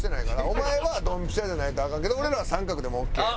お前はドンピシャじゃないとアカンけど俺らは三角でもオーケー。